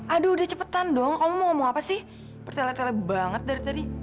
aduh udah cepetan dong om mau ngomong apa sih pertelit telit banget dari tadi